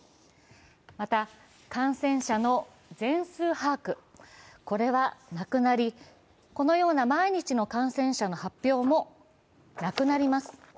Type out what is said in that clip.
また、感染者の全数把握はなくなりこのような毎日の感染者の発表もなくなります。